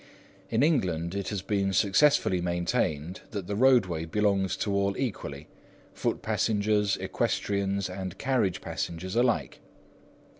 In England it has been successfully maintained that the roadway belongs to all equally, foot passengers, equestrians, and carriage passengers alike.